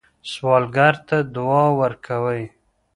سوالګر ته دعا ورکوئ